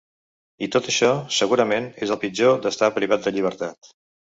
I tot això, segurament, és el pitjor d’estar privat de llibertat.